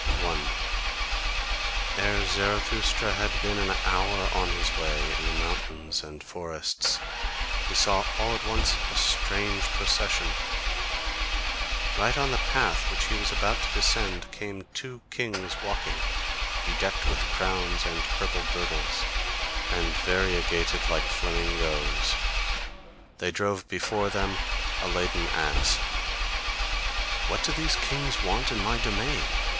1. Ere Zarathustra had been an hour on his way in the mountains and forests, he saw all at once a strange procession. Right on the path which he was about to descend came two kings walking, bedecked with crowns and purple girdles, and variegated like flamingoes: they drove before them a laden ass. "What do these kings want in my domain?"